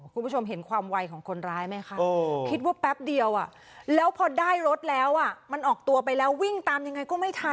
คุณผู้ชมเห็นความไวของคนร้ายไหมคะคิดว่าแป๊บเดียวแล้วพอได้รถแล้วมันออกตัวไปแล้ววิ่งตามยังไงก็ไม่ทัน